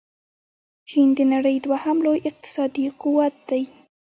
چين د نړۍ دوهم لوی اقتصادي قوت دې.